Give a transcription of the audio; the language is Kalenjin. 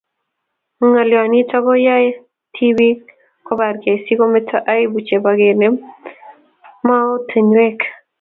Ng'alio nitok ko koyai tibik ko bargei si kometo aibu chebo kenem moatinikwek